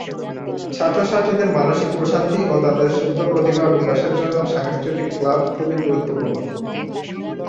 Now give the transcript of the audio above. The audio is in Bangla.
ছাত্র-ছাত্রীদের মানসিক প্রশান্তি ও তাদের সুপ্ত প্রতিভা বিকাশের জন্য সাংস্কৃতিক ক্লাব খুবই গুরুত্বপূর্ণ।